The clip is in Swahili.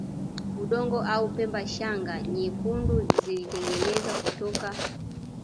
udongo au pembe Shanga nyekundu zilitengenezwa kutoka